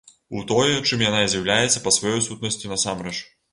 У тое, чым яна і з'яўляецца па сваёй сутнасці насамрэч.